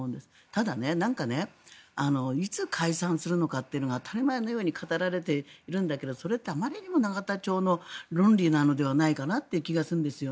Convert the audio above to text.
ただ、なんかねいつ解散するのかというのが当たり前のように語られているんだけどそれってあまりにも永田町の論理なのではないかなという気がするんです。